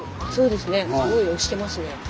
そうですね。